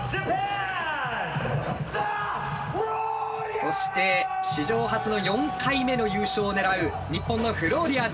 そして史上初の４回目の優勝を狙う日本のフローリアーズ。